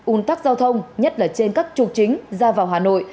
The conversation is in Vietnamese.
un tắc giao thông nhất là trên các trục chính ra vào hà nội